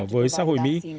với xã hội mỹ